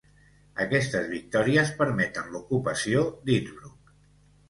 Aquestes victòries permeten l'ocupació d'Innsbruck.